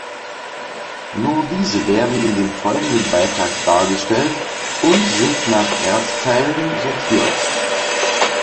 Nur diese werden in dem folgenden Beitrag dargestellt und sind nach Erdteilen sortiert.